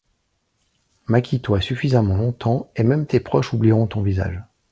Maquille-toi suffisamment longtemps, et même tes proches oublieront ton visage.